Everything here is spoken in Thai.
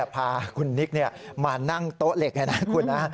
พาคุณนิกมานั่งโต๊ะเหล็กเลยนะคุณนะ